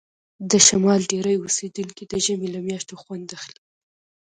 د شمال ډیری اوسیدونکي د ژمي له میاشتو خوند اخلي